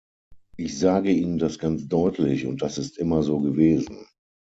Ich sage Ihnen das ganz deutlich, und das ist immer so gewesen.